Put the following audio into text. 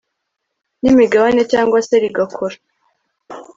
n imigabane cyangwa se rigakora